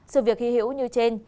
sự việc khi hiểu như trên